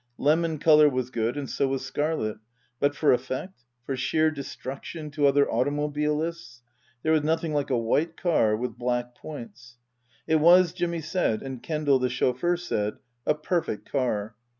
Lemon colour was good and so was scarlet ; but for effect for sheer destruction to other automobilists there was nothing like a white car with black points. It was, Jimmy said and Kendal, the chauffeur, said, a perfect car.